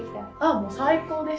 もう最高です。